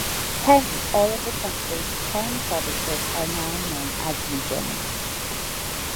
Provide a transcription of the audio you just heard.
Hence, all of the country's ten provinces are now known as regions.